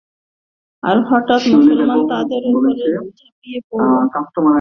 আর হঠাৎ মুসলমানরা তাদের উপর ঝাঁপিয়ে পড়ল এবং পথগুলো দখল করে নিল।